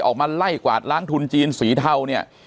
ออกมาไล่กวาดล้างทุนจีนสีเทาเนี่ย